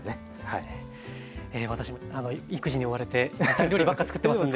私も育児に追われてインスタント料理ばっかつくってますんで。